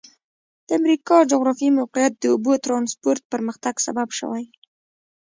د امریکا جغرافیایي موقعیت د اوبو ترانسپورت پرمختګ سبب شوی.